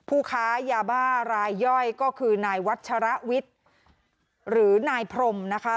ผู้ค้ายาบ้ารายย่อยก็คือนายวัชรวิทย์หรือนายพรมนะคะ